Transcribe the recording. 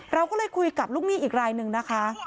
เราก็เลยคุยกับลูกหนี้อีกรายหนึ่งนะคะ